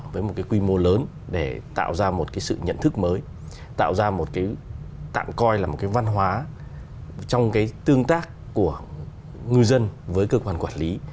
với một cái quy mô lớn để tạo ra một cái sự nhận thức mới tạo ra một cái tạm coi là một cái văn hóa trong cái tương tác của ngư dân với cơ quan quản lý